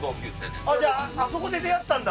じゃああそこで出会ったんだ？